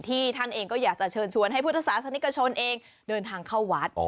ท่านเองก็อยากจะเชิญชวนให้พุทธศาสนิกชนเองเดินทางเข้าวัด